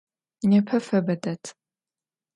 Nêpe febe ded.